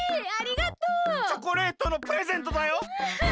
チョコレートのプレゼントだよ！